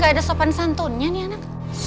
gak ada sopan santunnya nih anak